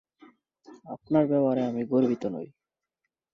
আমার ব্যবহারে আমি গর্বিত নই।